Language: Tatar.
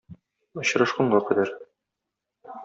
Очрашканга кадәр!